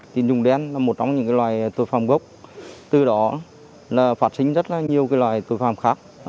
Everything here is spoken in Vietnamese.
tín dụng đen là một trong những loài tội phạm gốc từ đó là phát sinh rất là nhiều loài tội phạm khác